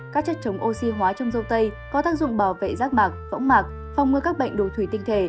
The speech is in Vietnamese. các chất chống oxy hóa trong dâu tây có tác dụng bảo vệ rác mạc phẫu mạc phòng ngừa các bệnh đồ thủy tinh thể